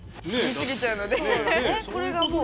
これがもう。